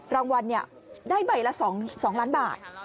รางวัลได้ใบละ๒ล้านบาท